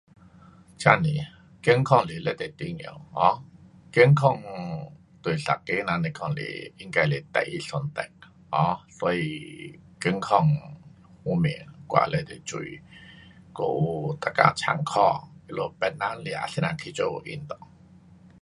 真是啊，健康是非常重要 um 健康对一个人来讲是应该是最上等的，um 所以健康方面我也非常注意，我有每天参考他们别人是啊怎样去做运动。